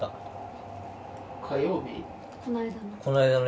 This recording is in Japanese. この間の？